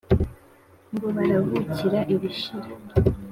ngo barabukira ibishira